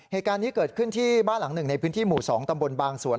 เหตุการณ์นี้เกิดขึ้นที่บ้านหลังหนึ่งในพื้นที่หมู่๒ตำบลบางสวน